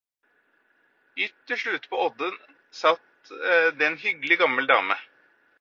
Ytterst ute på odden satt det en hyggelig gammel dame.